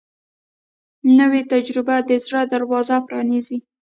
نوې تجربه د زړه دروازه پرانیزي